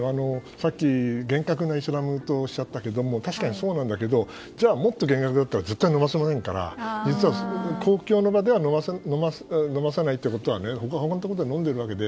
さっき、厳格なイスラムとおっしゃったけども確かにそうなんだけどじゃあもっと厳格だったら絶対飲ませないから実は公共の場では飲まさないということは他のところでは飲んでるわけで。